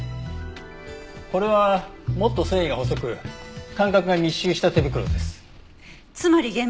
これはもっと繊維が細く間隔が密集した手袋です。